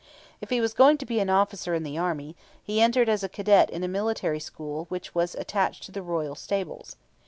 If he was going to be an officer in the army, he entered as a cadet in a military school which was attached to the royal stables.